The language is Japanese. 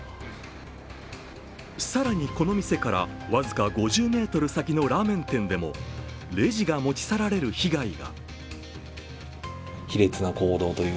更に、この店から僅か５０ｍのラーメン店でもレジが持ち去られる被害が。